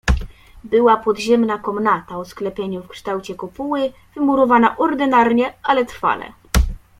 "Była podziemna komnata o sklepieniu w kształcie kopuły, wymurowana ordynarnie ale trwale."